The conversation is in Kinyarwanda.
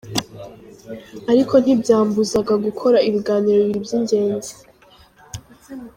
Ariko ntibyambuzaga gukora ibiganiro bibiri by’ingezi.